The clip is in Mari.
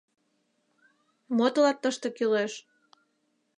— Мо тылат тыште кӱлеш?